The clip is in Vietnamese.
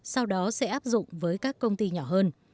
sau đó sẽ áp dụng với các công ty nhỏ hơn